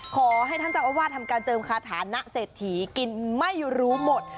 ขอให้ท่านเจ้าอาวาสทำการเจิมคาถานะเศรษฐีกินไม่รู้หมด